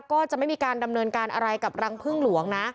ก็จะไม่มีการดำเนินการอะไรกับรังพึ่งหลวงนะ